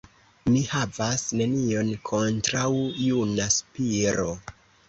Mi havas nenion kontraŭ juna Spiro!